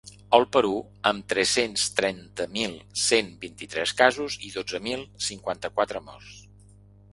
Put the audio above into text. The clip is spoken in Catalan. El Perú, amb tres-cents trenta mil cent vint-i-tres casos i dotze mil cinquanta-quatre morts.